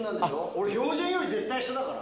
俺、標準より絶対下だから。